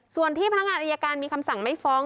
ส่วนที่พนักงานอายการมีคำสั่งไม่ฟ้อง